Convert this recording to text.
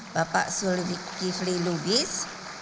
bapak sulwikifli lubis